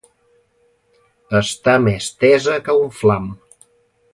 Està més tesa que un flam.